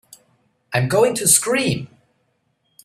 I'm going to scream!